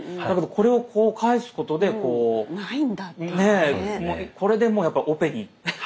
だけどこれをこう返すことでこうこれでもうやっぱオペに。